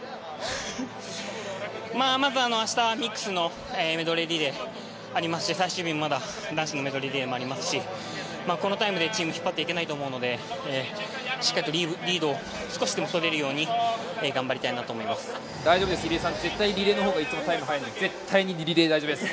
まずは明日、ミックスのメドレーリレーがありますし最終日も、まだ男子のメドレーリレーもありますのでこのタイムでチームを引っ張っていけないと思うのでしっかりとリードを少しでもとれるように大丈夫です！